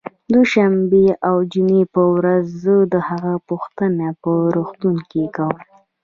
دوشنبې او جمعې په ورځ زه د هغه پوښتنه په روغتون کې کوم